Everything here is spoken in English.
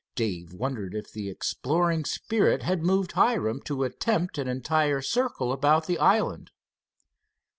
Dave wondered if the exploring spirit had moved Hiram to attempt an entire circle about the island.